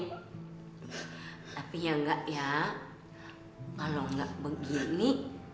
tapi ya enggak ya kalau nggak begini